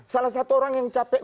salah satu orang yang capek